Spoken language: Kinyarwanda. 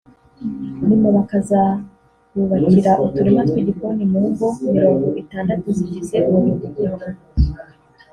nyuma bakazabubakira uturima tw’igikoni mu ngo mirongo itandatu zigize uwo mudugudu